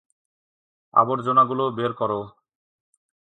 আবর্জনাগুলো বের করো।